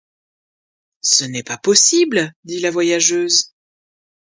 Ce n’est pas possible ! dit la voyageuse.